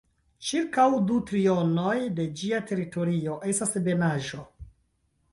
Ĉirkaŭ du trionoj de ĝia teritorio estas ebenaĵo.